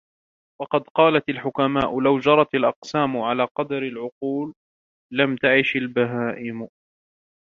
وَقَدْ قَالَتْ الْحُكَمَاءُ لَوْ جَرَتْ الْأَقْسَامُ عَلَى قَدْرِ الْعُقُولِ لَمْ تَعِشْ الْبَهَائِمُ